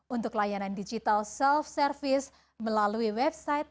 untuk layanan digital self service melalui website